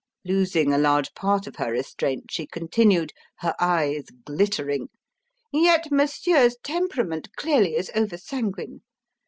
Losing a large part of her restraint, she continued, her eyes glittering: "Yet Monsieur's temperament clearly is over sanguine.